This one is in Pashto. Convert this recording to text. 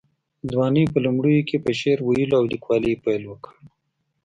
د ځوانۍ په لومړیو کې یې په شعر ویلو او لیکوالۍ پیل وکړ.